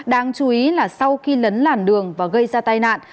đáng chú ý là sau khi lấn làn đường và gây ra tai nạn